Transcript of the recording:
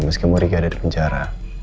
meski murika ada di penjara